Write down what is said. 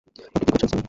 আপনি কি করছেন, স্যার?